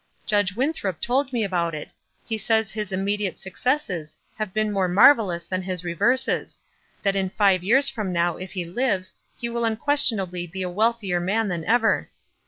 Judge Winthrop told me about it ; he says his immediate successes have been more marvelous than his reverses ; that in five years from now if he lives he will un questionably be a wealthier man than ever.